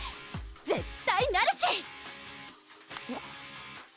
絶対なるし！